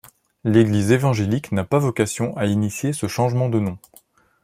L'Église évangélique n'a pas vocation à initier ce changement de nom.